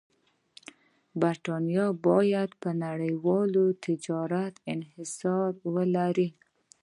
برېټانیا باید پر نړیوال تجارت انحصار ولري.